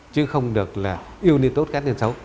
chứ không được là yêu niên tốt cán tiền xấu